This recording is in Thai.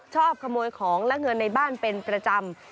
ชอบขโมยของและเงินในบ้านเป็นประจำ